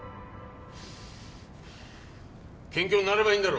謙虚になればいいんだろ。